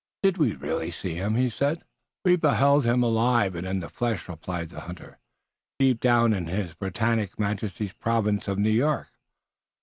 "Did we really see him?" he said. "We beheld him alive and in the flesh," replied the hunter, "deep down in His Britannic Majesty's province of New York."